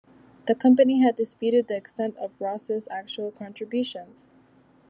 The company had disputed the extent of Ross's actual contributions.